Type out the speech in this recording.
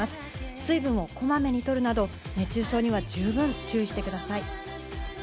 水分をこまめに取るなど、熱中症には十分注意してください。